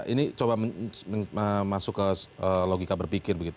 ini coba masuk ke logika berpikir begitu